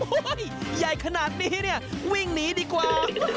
เฮ่ยใหญ่ขนาดนี้วิ่งหนีดีกว่า